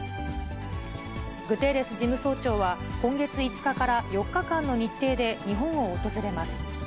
グテーレス事務総長は、今月５日から４日間の日程で日本を訪れます。